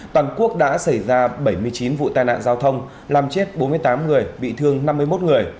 toàn quốc đã xảy ra bảy mươi chín vụ tai nạn giao thông làm chết bốn mươi tám người bị thương năm mươi một người